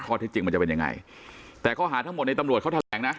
ที่จริงมันจะเป็นยังไงแต่ข้อหาทั้งหมดในตำรวจเขาแถลงนะ